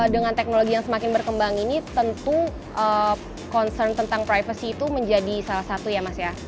dengan teknologi yang semakin berkembang ini tentu concern tentang privacy itu menjadi salah satu ya mas ya